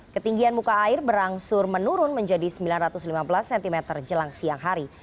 ketinggian muka air berangsur menurun menjadi sembilan ratus lima belas cm jelang siang hari